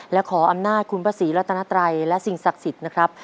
และขออำนาจคุณพระศรีรัตนไตรและสิ่งศักดิ์สิทธิ์นะครับ